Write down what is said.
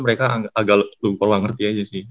mereka agak luper wangerti aja sih